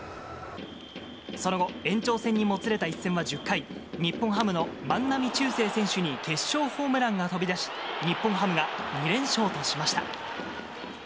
その後、延長戦にもつれた一戦は１０回、日本ハムの万波中正選手に決勝ホームランが飛び出し、日本ハムが２連勝としました。